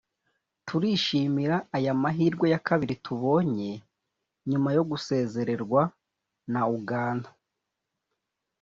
turishimira aya mahirwe ya kabiri tubonye nyuma yo gusezererwa na Uganda